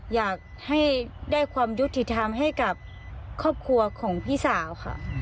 อยากให้ได้ความยุติธรรมให้กับครอบครัวของพี่สาวค่ะ